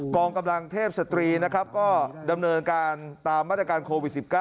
กองกำลังเทพสตรีนะครับก็ดำเนินการตามมาตรการโควิด๑๙